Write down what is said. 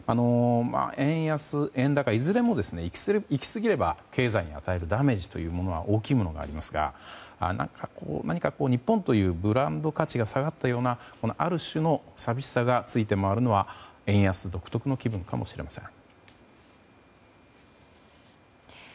円安、円高いずれも行き過ぎれば経済に与えるダメージというものは大きいものではありますが日本というブランド価値が下がったようなある種の寂しさがついて回るのは円安独特の気分かもしれません。